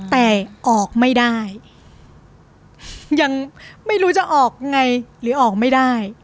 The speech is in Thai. แต่ออกไม่ได้ยังไม่รู้จะออกไงหรือออกไม่ได้